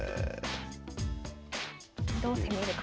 どう攻めるか。